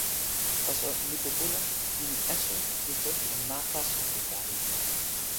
taso lipu pu la, nimi "esun" li toki e ma taso pi pali ni.